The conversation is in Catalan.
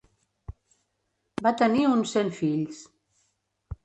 Va tenir uns cent fills.